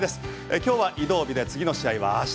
今日は移動日で次の試合は明日。